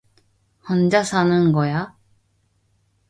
혼자 사는 거야?